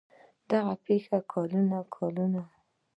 دغې پېښې کلونه کلونه